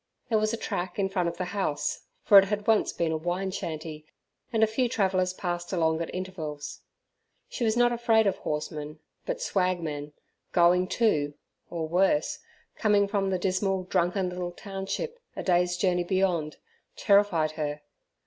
There was a track in front of the house, for it had once been a wine shanty, and a few travellers passed along at intervals. She was not afraid of horsemen; but swagmen, going to, or worse, coming from the dismal, drunken little township, a day's journey beyond, terrified her.